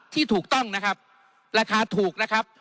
ที่ถูกต้องนะครับราคาถูกนะครับ